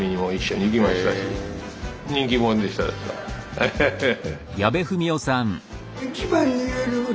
アハハハ。